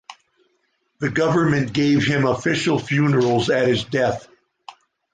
The government gave him official funerals at his death.